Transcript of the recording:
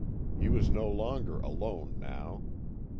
He was no longer alone now.